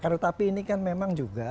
tetapi ini kan memang juga